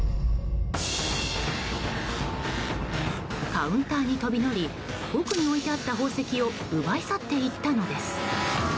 カウンターに飛び乗り奥に置いてあった宝石を奪い去っていったのです。